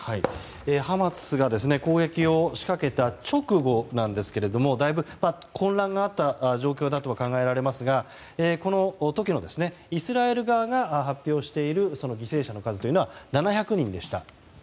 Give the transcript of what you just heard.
ハマスが攻撃を仕掛けた直後なんですけれどもだいぶ混乱があった状況だと考えられますがこの時のイスラエル側が発表している犠牲者の数というのは、直後７００人でした。